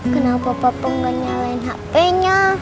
kenapa papa gak nyalain hpnya